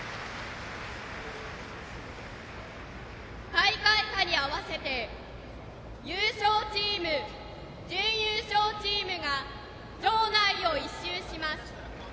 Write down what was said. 大会歌に合わせて優勝チーム、準優勝チームが場内を１周します。